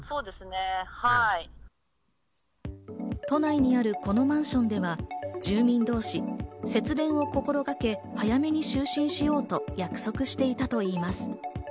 都内にあるこのマンションでは、住民同士、節電を心がけ、早めに就寝しようと約束していたといいます。